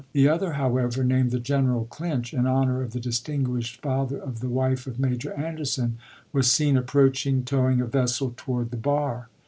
The other, how ever, named the General Clinch in honor of the distinguished father of the wife of Major Anderson, was seen approaching, towing a vessel toward the bar.